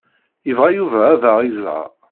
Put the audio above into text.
Ibɣa Yuba ad aɣ-iẓer.